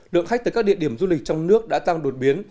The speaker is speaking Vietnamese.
lượng khách tới các địa điểm du lịch trong nước đã tăng đột biến